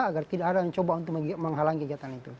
agar tidak ada yang mencoba menghalangi kegiatan itu